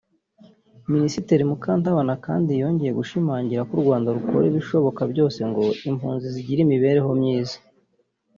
Minisitiri Mukantabana kandi yongeye gushimangira ko u Rwanda rukora ibishoboka byose ngo impunzi zigire imibereho myiza